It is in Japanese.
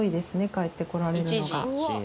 帰ってこられるのが。